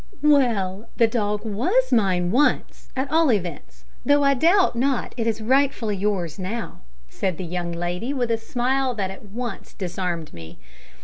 "Well, the dog was mine once, at all events though I doubt not it is rightfully yours now," said the young lady, with a smile that at once disarmed me.